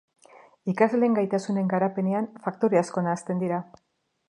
Ikasleen gaitasunen garapenean faktore asko nahasten dira.